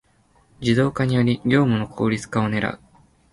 ⅱ 自動化により業務の効率化を狙う